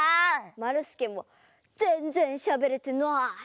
まるすけもぜんぜんしゃべれてない！